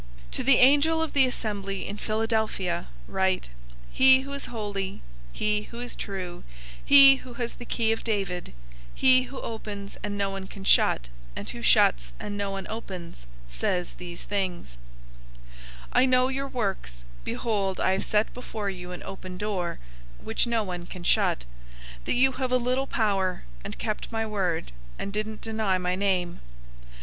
003:007 "To the angel of the assembly in Philadelphia write: "He who is holy, he who is true, he who has the key of David, he who opens and no one can shut, and who shuts and no one opens, says these things: 003:008 "I know your works (behold, I have set before you an open door, which no one can shut), that you have a little power, and kept my word, and didn't deny my name.